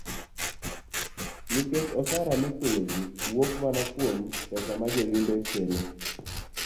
Nikech osara michulo gi wuok mana kuom pesa ma jo limbe kelo.